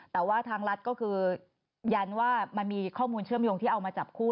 แต่ว่าทางรัฐก็คือยันว่ามันมีข้อมูลเชื่อมโยงที่เอามาจับคู่